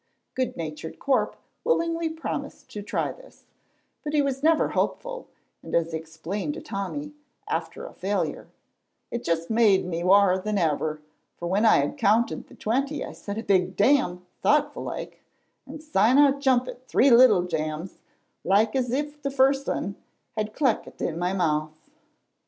Good natured Corp willingly promised to try this, but he was never hopeful, and as he explained to Tommy, after a failure, "It just made me waur than ever, for when I had counted the twenty I said a big Damn, thoughtful like, and syne out jumpit three little damns, like as if the first ane had cleckit in my mouth."